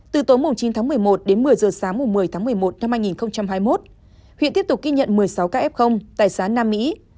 từ tối chín tháng một mươi một đến một mươi giờ sáng một mươi tháng một mươi một năm hai nghìn hai mươi một huyện tiếp tục ghi nhận một mươi sáu ca f tại xã nam mỹ